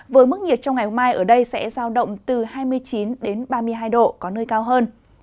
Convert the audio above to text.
với mức nhiệt trong ngày mai ở đây sẽ giao động từ hai mươi chín ba mươi hai độ có nơi cao hơn